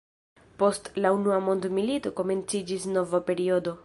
Post la unua mondmilito komenciĝis nova periodo.